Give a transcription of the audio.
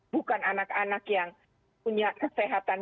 bukan anak anak yang punya kesehatan